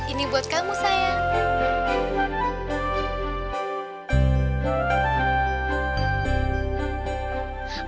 ini buat kamu sayang